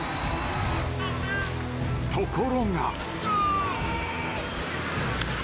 ところが。